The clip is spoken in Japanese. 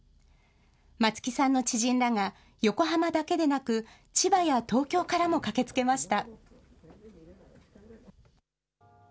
松木さんの知人らが横浜だけでなく千葉や東京からも駆けつけました。